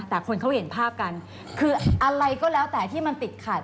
แต่คนเขาเห็นภาพกันคืออะไรก็แล้วแต่ที่มันติดขัด